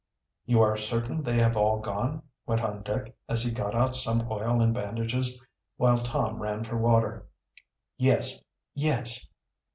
"You are certain they have all gone?" went on Dick, as he got out some oil and bandages, while Tom ran for water. "Yes, yes!"